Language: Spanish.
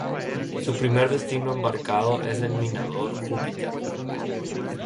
Su primer destino embarcado es el minador "Júpiter".